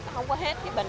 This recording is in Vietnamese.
không có hết cái bình